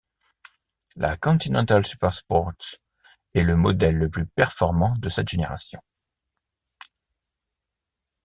La Continental Supersports est le modèle le plus performant de cette génération.